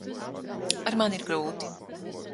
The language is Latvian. Ar mani ir grūti.